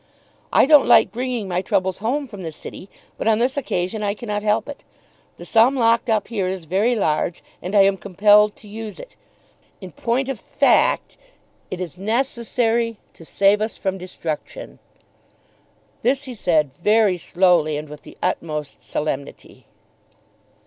I don't like bringing my troubles home from the city; but on this occasion I cannot help it. The sum locked up here is very large, and I am compelled to use it. In point of fact it is necessary to save us from destruction." This he said, very slowly, and with the utmost solemnity.